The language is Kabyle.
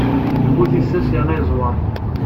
D bu tissas yerna yeẓwer.